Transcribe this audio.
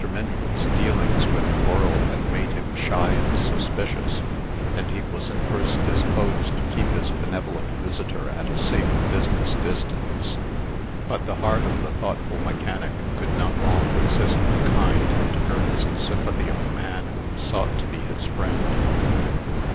Minford's dealings with the world had made him shy and suspicious, and he was at first disposed to keep his benevolent visitor at a safe business distance. But the heart of the thoughtful mechanic could not long resist the kind and earnest sympathy of the man who sought to be his friend.